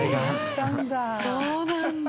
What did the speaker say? そうなんだ。